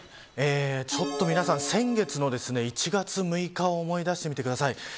ちょっと皆さん、先月の１月６日を思い出してみてください。